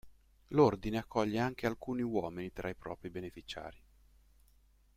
L'Ordine accoglie anche alcuni uomini tra i propri beneficiari.